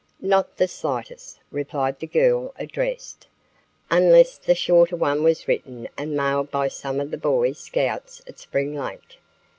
"Not the slightest," replied the girl addressed, "unless the shorter one was written and mailed by some of the Boy Scouts at Spring Lake.